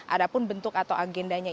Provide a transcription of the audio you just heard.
adapun bentuk atau agendanya